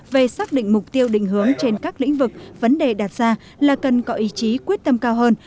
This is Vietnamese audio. về xác định mục tiêu định hướng trên các lĩnh vực vấn đề đặt ra là cần có ý chí quyết tâm cao hơn